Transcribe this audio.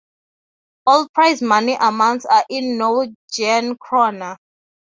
All prize money amounts are in Norwegian kroner.